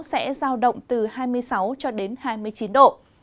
sẽ giao động từ hai mươi sáu cho đến hai mươi chín độ